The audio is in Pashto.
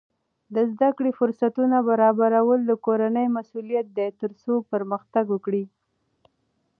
د زده کړې فرصتونه برابرول د کورنۍ مسؤلیت دی ترڅو پرمختګ وکړي.